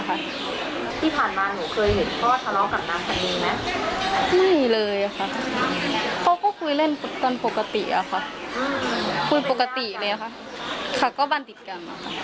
ที่ผ่านมาเห็นเจ้าก็ทะเลาะกับนางแฟนนีมั้ย